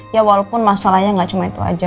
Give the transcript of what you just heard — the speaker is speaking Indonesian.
ya walaupun masalahnya nggak cuma itu aja